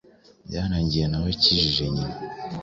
byarangiye nawe akijije nyina,